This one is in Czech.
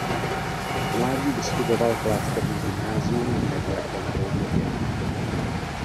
V mládí vystudoval klášterní gymnázium v nedalekém Broumově.